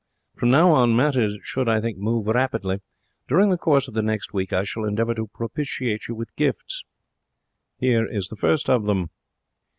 From now on matters should, I think, move rapidly. During the course of the next week I shall endeavour to propitiate you with gifts. Here is the first of them.'